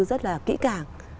rất là kỹ càng